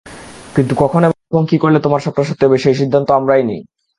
কিন্তু কখন এবং কী করলে তোমার স্বপ্ন সত্যি হবে সেই সিদ্ধান্ত আমরাই নিই।